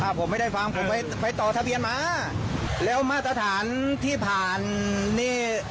ผมไม่ได้ฟังผมไปไปต่อทะเบียนมาแล้วมาตรฐานที่ผ่านนี่